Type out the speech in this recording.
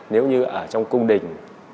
nếu như ở trong cung đình